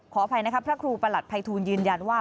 ขออภัยนะครับพระครูประหลัดภัยทูลยืนยันว่า